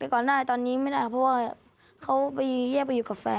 ก่อนหน้าตอนนี้ไม่ได้เพราะว่าเขาไปแยกไปอยู่กับแฟน